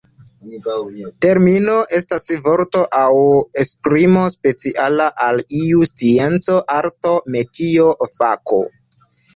Termino estas vorto aŭ esprimo speciala al iu scienco, arto, metio, fako.